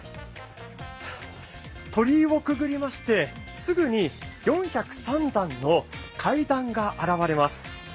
鳥居をくぐりまして、すぐに４０３段の階段が現れます。